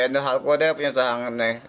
nah aku ada punya cehang ini